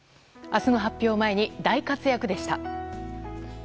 明日の発表を前に大活躍でした。